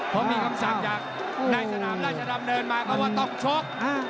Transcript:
เพราะมีคำสั่งอยากในสนามราชดำเดินมาเพราะว่าต้องชก